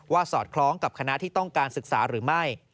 สอดคล้องกับคณะที่ต้องการศึกษาหรือไม่